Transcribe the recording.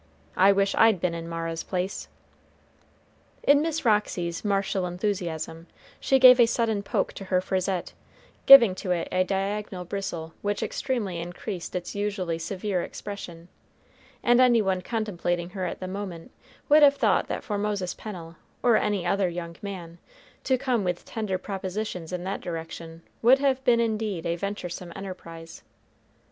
I wish I'd been in Mara's place." In Miss Roxy's martial enthusiasm, she gave a sudden poke to her frisette, giving to it a diagonal bristle which extremely increased its usually severe expression; and any one contemplating her at the moment would have thought that for Moses Pennel, or any other young man, to come with tender propositions in that direction would have been indeed a venturesome enterprise.